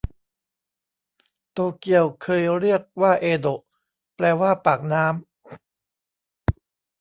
โตเกียวเคยเรียกว่าเอโดะแปลว่าปากน้ำ